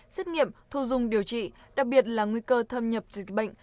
xét nghiệm thu dung điều trị đặc biệt là nguy cơ thâm nhập dịch bệnh